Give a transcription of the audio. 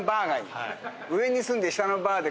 上に住んで下のバーで。